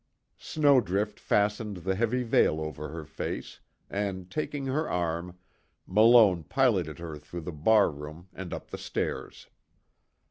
Snowdrift fastened the heavy veil over her face, and taking her arm, Malone piloted her through the bar room and up the stairs.